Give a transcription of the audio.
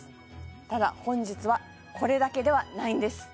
ただ本日はこれだけではないんです